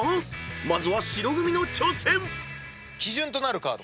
［まずは白組の挑戦］基準となるカード